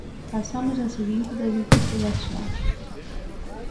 Pasamos á seguinte das interpelacións.